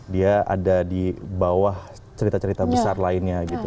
dia ada di bawah cerita cerita besar lainnya gitu